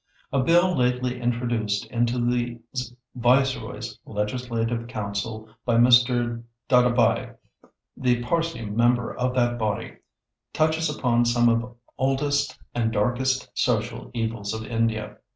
] "A bill lately introduced into the viceroy's legislative council by Mr. Dadabhai, the Parsee member of that body, touches upon some of oldest and darkest social evils of India.